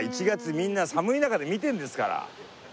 みんな寒い中で見てるんですから。